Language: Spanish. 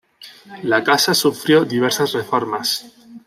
La casa sufrió diversas reformas.